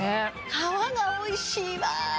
皮がおいしいわ！